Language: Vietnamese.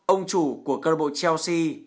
ông chủ của cơ bộ chelsea